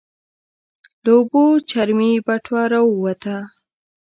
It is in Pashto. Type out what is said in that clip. له اوبو چرمي بټوه راووته.